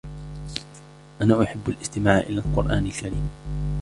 انا احب الاستماع الى القران الكريم